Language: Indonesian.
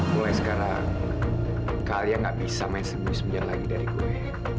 mulai sekarang kak alia gak bisa main semuanya lagi dari gue